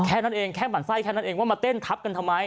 แค่นั้นเองแค่หมั่นไส้แค่นั้นเองว่ามาเต้นทับกันทำไม